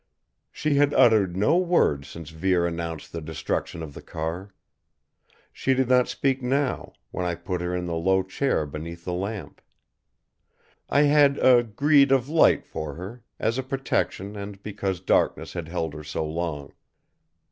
She had uttered no word since Vere announced the destruction of the car. She did not speak now, when I put her in the low chair beneath the lamp. I had a greed of light for her, as a protection and because darkness had held her so long.